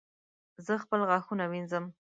زه خپل غاښونه وینځم